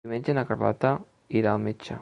Diumenge na Carlota irà al metge.